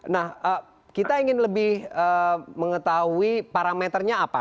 nah kita ingin lebih mengetahui parameternya apa